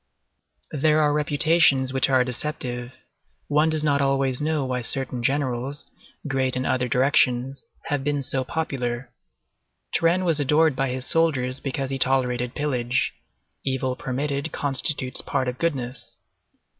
There are reputations which are deceptive; one does not always know why certain generals, great in other directions, have been so popular. Turenne was adored by his soldiers because he tolerated pillage; evil permitted constitutes part of goodness.